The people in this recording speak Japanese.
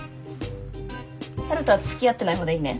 春風はつきあってないほうでいいね？